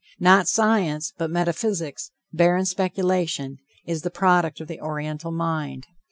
Not science, but metaphysics, barren speculation, is the product of the Oriental mind.